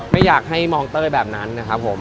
ไม่อยากให้มองเต้ยแบบนั้นนะครับผม